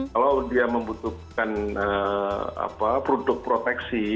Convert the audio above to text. kalau dia membutuhkan produk proteksi